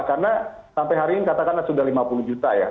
karena sampai hari ini katakanlah sudah lima puluh juta ya